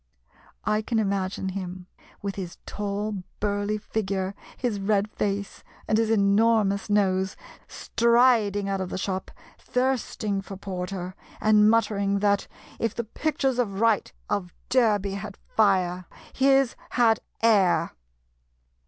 I can imagine him, with his tall, burly figure, his red face, and his enormous nose, striding out of the shop, thirsting for porter, and muttering that, if the pictures of Wright of Derby had fire, his had air.